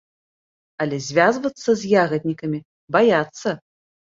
Але звязвацца з ягаднікамі баяцца.